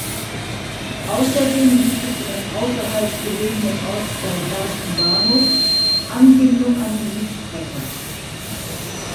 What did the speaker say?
Außerdem gibt es in dem außerhalb gelegenen Ortsteil Herchen-Bahnhof Anbindung an die Siegstrecke.